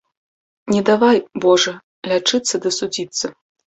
Не давай, Божа, лячыцца ды судзіцца